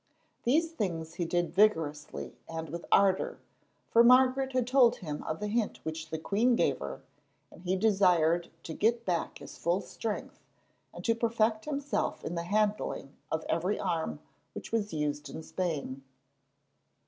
These things he did vigorously and with ardour, for Margaret had told him of the hint which the queen gave her, and he desired to get back his full strength, and to perfect himself in the handling of every arm which was used in Spain.